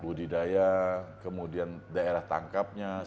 budidaya kemudian daerah tangkapnya